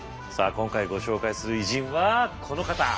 今回ご紹介する偉人はこの方。